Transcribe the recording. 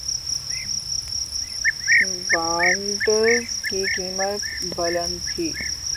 bonds کی قیمتیں بلند تھیں